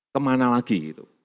kemana lagi itu